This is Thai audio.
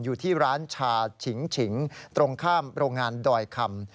อยู่ที่ร้านชาฉิงฉิงตรงข้ามโรงงานดอยคำ